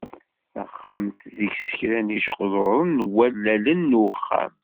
Taxxamt deg-s kra n yijeqḍuren d wallalen n uxxam.